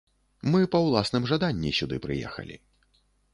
Мы па ўласным жаданні сюды прыехалі.